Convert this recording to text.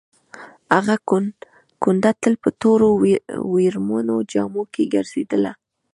هغه کونډه تل په تورو ویرمنو جامو کې ګرځېدله.